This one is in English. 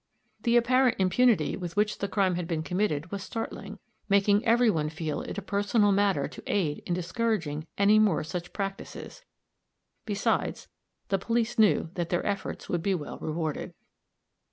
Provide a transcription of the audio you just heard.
The apparent impunity with which the crime had been committed was startling, making every one feel it a personal matter to aid in discouraging any more such practices; besides, the police knew that their efforts would be well rewarded.